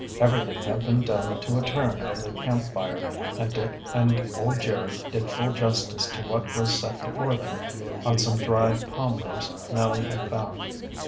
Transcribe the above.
Everything had been done to a turn over the camp fire, and Dick and old Jerry did full justice to what was set before them on some dried palm leaves Nellie had found.